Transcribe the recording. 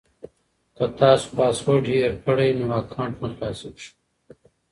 که تاسو پاسورډ هېر کړئ نو اکاونټ نه خلاصیږي.